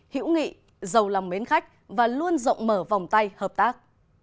hữu nghị giàu lòng mến khách và luôn rộng mở vòng tay hợp tác